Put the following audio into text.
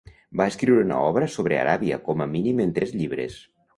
Va escriure una obra sobre Aràbia com a mínim en tres llibres.